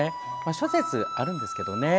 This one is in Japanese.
諸説あるんですけどね。